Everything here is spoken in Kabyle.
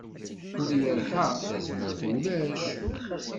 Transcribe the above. Ul yerḥa, tazmert ulac.